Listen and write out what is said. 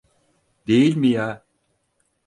Değil mi ya?